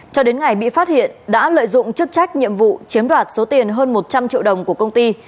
cho đến ngày bị phát hiện đã lợi dụng chức trách nhiệm vụ chiếm đoạt số tiền hơn một trăm linh triệu đồng của công ty